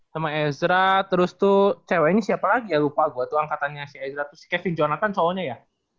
sama ezra terus tuh cewek ini siapa lagi ya lupa gue tuh angkatannya si ezra terus si kevin jonathan soalnya ya